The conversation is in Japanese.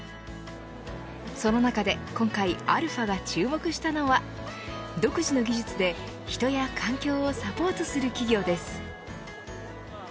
その中で今回αが注目したのは独自の技術で、人や環境をサポートする企業です。